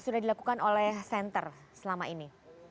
sudah dilakukan oleh center selama ini